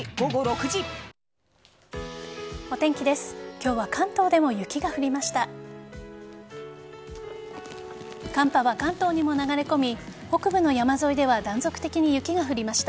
今日は関東でも雪が降りました。